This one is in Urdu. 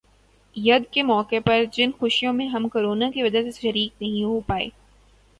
ید کے موقع پر جن خوشیوں میں ہم کرونا کی وجہ سے شریک نہیں ہو پائے